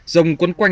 dòng quấn quanh